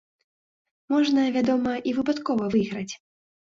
Можна, вядома, і выпадкова выйграць.